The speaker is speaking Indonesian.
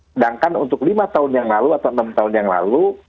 sedangkan untuk lima tahun yang lalu atau enam tahun yang lalu